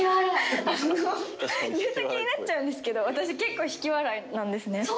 言うときになっちゃうんですけど、私、結構引き笑いなんですね。